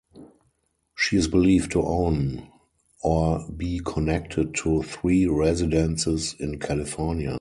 She is believed to own or be connected to three residences in California.